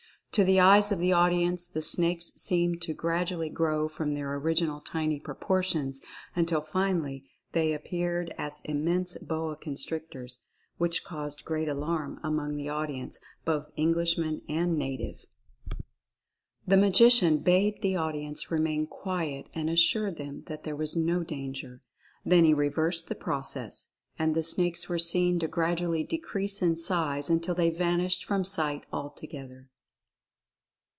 To the eyes of the audience the snakes seemed to gradually grow from their original tiny proportions until finally they appeared as immense boa constrictors, which caused great alarm among the audience, both Englishmen and native. The Magician 158 Mental Fascination bade the audience remain quiet and assured them that there was no danger — then he reversed the process, and the snakes were seen to gradually decrease in size until they vanished from sight altogether.